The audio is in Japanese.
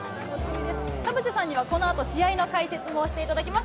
田臥さんにはこの後、試合の解説もしていただきます。